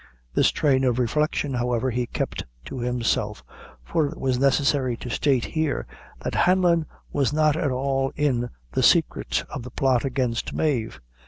This train of reflection, however, he kept to himself, for it is necessary to state here, that Hanlon was not at all in the secret of the plot against Mave.